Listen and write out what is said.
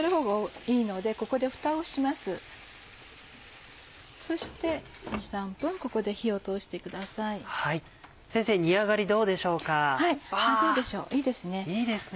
いいですね。